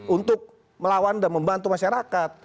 untuk melawan dan membantu masyarakat